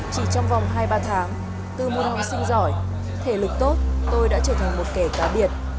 chỉ trong vòng hai ba tháng từ một học sinh giỏi thể lực tốt tôi đã trở thành một kẻ cá biệt